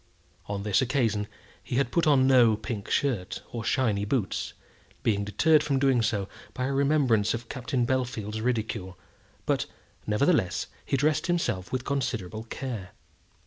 On this occasion he put on no pink shirt or shiny boots, being deterred from doing so by a remembrance of Captain Bellfield's ridicule; but, nevertheless, he dressed himself with considerable care.